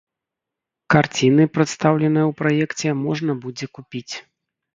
Карціны, прадстаўленыя ў праекце можна будзе купіць.